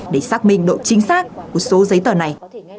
để xác minh độ chính xác của số giấy tờ này